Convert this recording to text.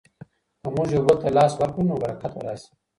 که موږ یو بل ته لاس ورکړو نو برکت به راسي.